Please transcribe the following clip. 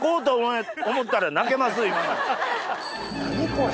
何これ。